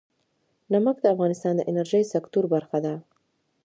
نمک د افغانستان د انرژۍ سکتور برخه ده.